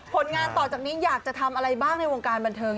ผลงานต่อจากนี้อยากจะทำอะไรบ้างในวงการบันเทิง